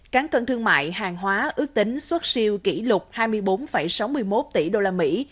cáng cân thương mại hàng hóa ước tính xuất siêu kỷ lục hai mươi bốn sáu mươi một tỷ usd